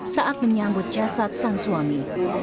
saat menyambut jasad sang suami